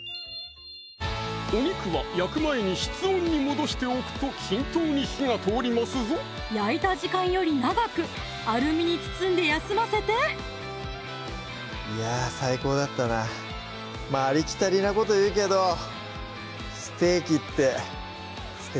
お肉は焼く前に室温に戻しておくと均等に火が通りますぞ焼いた時間より長くアルミに包んで休ませていや最高だったなありきたりなこと言うけど４４だからね